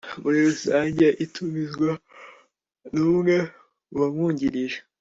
muri rusange itumizwa n umwe mu bamwungirije